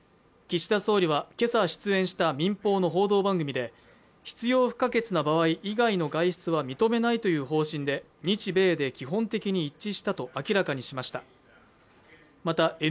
岸田総理は今朝出演した民放の報道番組で必要不可欠な場合以外の外出は認めないという方針で日米で基本的に一致したと明らかにしました。